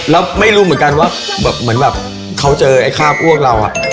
แล้วไม่รู้เหมือนกันว่าแบบเหมือนแบบเขาเจอไอ้คาบอ้วกเรา